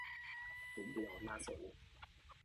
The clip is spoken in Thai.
นิดเดียว น่าสน